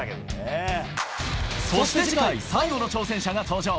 そして次回、最後の挑戦者が登場。